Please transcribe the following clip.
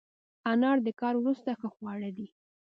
انار د کار وروسته ښه خواړه دي.